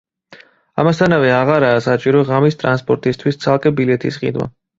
ამასთანავე აღარაა საჭირო ღამის ტრანსპორტისთვის ცალკე ბილეთის ყიდვა.